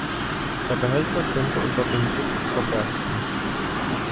Der Behälter könnte unter dem Druck zerbersten.